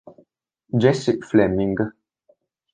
Jessie Fleming